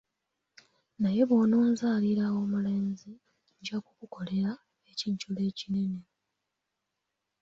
Naye bw'ononzalira omulenzi, nnja kukukolera ekijjulo ekinene.